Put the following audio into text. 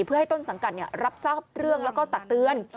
เพื่อให้ต้นสังกัดรับทราบเรื่องแล้วก็ตักเตือน